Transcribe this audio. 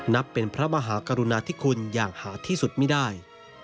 นับเป็นพระมหากรุณาธิคุณอย่างหาที่สุดไม่ได้